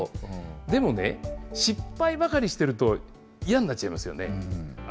でもね、失敗ばかりしてると、嫌になっちゃいますよね。